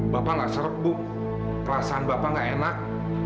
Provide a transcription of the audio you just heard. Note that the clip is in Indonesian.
bapak gak seret bu perasaan bapak gak enak